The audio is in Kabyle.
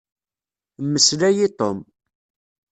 Mmeslay i Tom.